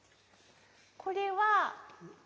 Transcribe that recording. これは２。